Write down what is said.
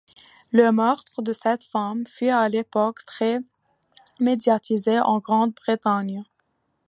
Le meurtre de cette femme fut à l'époque très médiatisé en Grande-Bretagne.